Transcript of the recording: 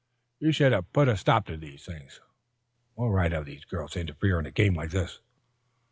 You should have put a stop to these things. What right have these girls to interfere in a game like this?"